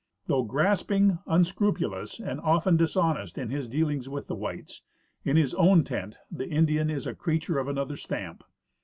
Though grasping, unscrupulous, and often dishonest in his dealings with the whites, in his own tent the Indian is a creature of another stamp.